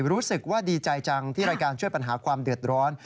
รู้สึกว่าดีใจจังที่รายการช่วยปัญหาความเดือดร้อน